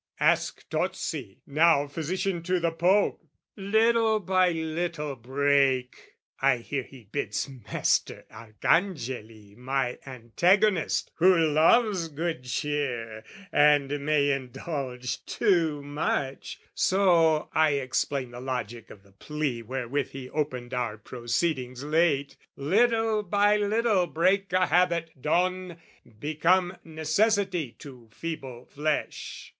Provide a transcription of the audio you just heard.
Ask Tozzi, now physician to the Pope! "Little by little break" (I hear he bids Master Arcangeli my antagonist, Who loves good cheer and may indulge too much So I explain the logic of the plea Wherewith he opened our proceedings late) "Little by little break a habit, Don! "Become necessity to feeble flesh!"